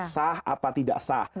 sah apa tidak sah